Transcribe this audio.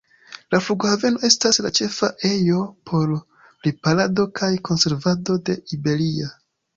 La flughaveno estas la ĉefa ejo por riparado kaj konservado de Iberia.